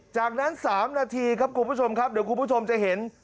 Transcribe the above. จากนั้น๓นาทีครับคุณผู้ชมครับเดี๋ยวคุณผู้ชมจะเห็น